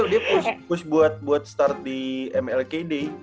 dia push buat start di mlk day